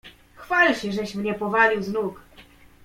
"Chwal się żeś mnie powalił z nóg."